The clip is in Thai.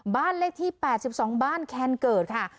บ้านเลขที่๘๒บ้านแคนเกิดค่ะ